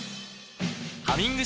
「ハミング」